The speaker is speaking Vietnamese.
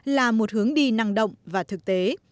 là một hướng đi năng động và thực tế